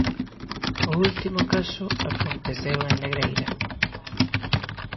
O último caso aconteceu en Negreira.